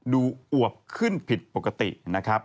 อวบขึ้นผิดปกตินะครับ